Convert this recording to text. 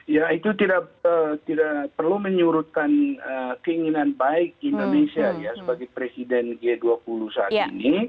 ya itu tidak perlu menyurutkan keinginan baik indonesia sebagai presiden g dua puluh saat ini